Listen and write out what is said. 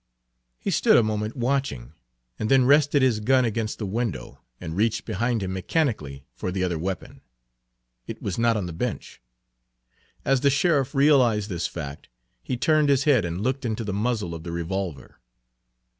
He stood a moment watching, and then rested his gun against the window, and reached behind him mechanically for the other weapon. It was not on the bench. As the sheriff realized this fact, he turned his head and looked into the muzzle of the revolver.